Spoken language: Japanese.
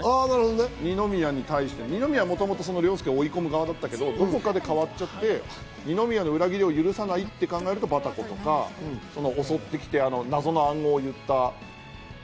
二宮に対して、もともと凌介を追い込む側だったけど、どこかで変わっちゃって二宮の裏切りを許さないと考えるとバタコとか、襲ってきて謎の暗号を言った。